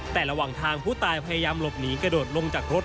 แต่ระหว่างทางผู้ตายพยายามหลบหนีกระโดดลงจากรถ